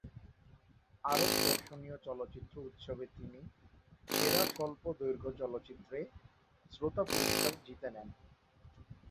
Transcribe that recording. আরব দর্শনীয় চলচ্চিত্র উৎসবে তিনি "সেরা স্বল্পদৈর্ঘ্য চলচ্চিত্র"-এ শ্রোতা পুরস্কার জিতে নেন।